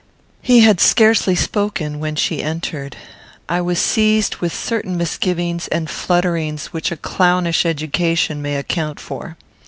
He had scarcely spoken when she entered. I was seized with certain misgivings and flutterings which a clownish education may account for.